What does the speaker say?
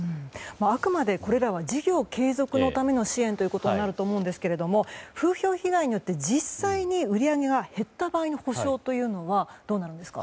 あくまでこれらは事業継続のための支援ということになると思うんですが風評被害によって実際に売り上げが減った場合の補償というのはどうなるんですか？